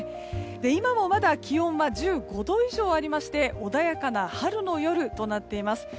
今もまだ気温は１５度以上ありまして穏やかな春の夜となっています。